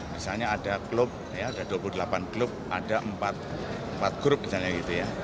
misalnya ada klub ya ada dua puluh delapan klub ada empat grup misalnya gitu ya